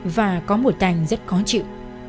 và có một cành rất khó chịu